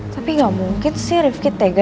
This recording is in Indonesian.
tapi gak mungkin sih rifki tega